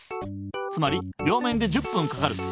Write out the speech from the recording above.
つまり両面で１０ぷんかかる。